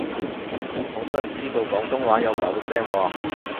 好多人知道廣東話有九聲喎